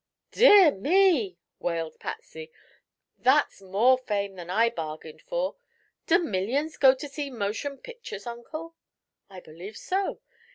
"Dear me!" wailed Patsy. "That's more fame than I bargained for. Do millions go to see motion pictures, Uncle?" "I believe so.